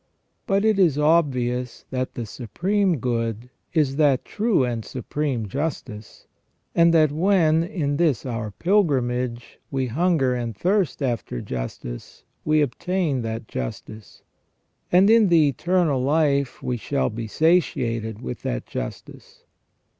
But it is obvious that the Supreme Good is that true and supreme justice ; and that when, in this our pilgrimage, we hunger and thirst after justice we obtain that justice ; and in the eternal life we shall be satiated with that justice.